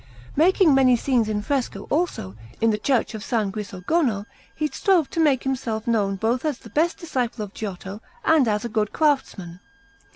Making many scenes in fresco, also, in the Church of S. Grisogono, he strove to make himself known both as the best disciple of Giotto and as a good craftsman.